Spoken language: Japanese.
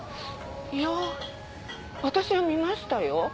いや私は見ましたよ。